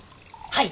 はい。